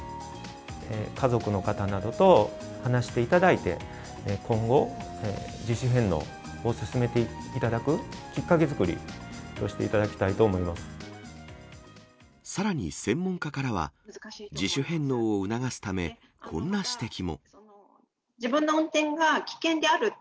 家族の方などと話していただいて、今後、自主返納をすすめていただくきっかけ作りとしていただきたいと思さらに専門家からは、自主返自分の運転が危険であるって